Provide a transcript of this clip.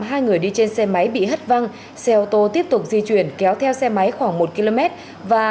hai người đi trên xe máy bị hất văng xe ô tô tiếp tục di chuyển kéo theo xe máy khoảng một km và